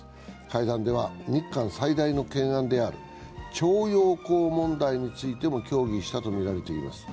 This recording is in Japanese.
会談では日韓最大の懸案である徴用工問題についても協議したとみられています。